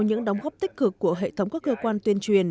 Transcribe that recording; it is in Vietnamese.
những đóng góp tích cực của hệ thống các cơ quan tuyên truyền